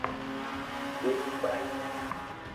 ايڪ ڀائي ھي